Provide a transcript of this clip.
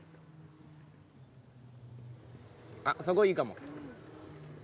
あっそこいいかも。